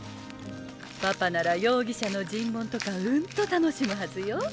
パパなら容疑者の尋問とかうんと楽しむはずよ。